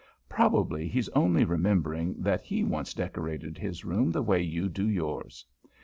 Probably, he's only remembering that he once decorated his room the way you now do yours.